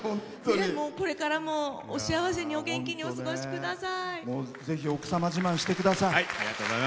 これからもお幸せにお元気にお過ごしください。